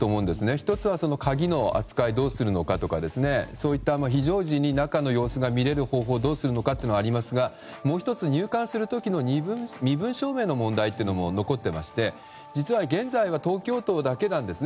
１つは、鍵の扱いをどうするのかですとかそういった非常時に中の様子が見れる方法をどうするのかというのがありますがもう１つ入館するときの身分証明の問題も残ってまして実は、現在は東京都だけなんですね